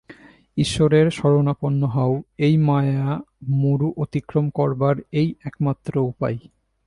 ঈশ্বরের শরণাপন্ন হও, এই মায়া-মরু অতিক্রম করবার এই একমাত্র উপায়।